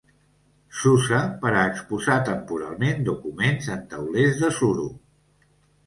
S'usa per a exposar temporalment documents en taulers de suro.